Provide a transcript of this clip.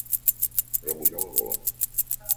Remullar la gola.